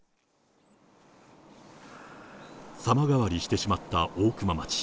様変わりしてしまった大熊町。